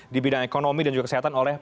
di bidang ekonomi dan juga kesehatan oleh